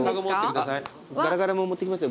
がらがらも持ってきますよ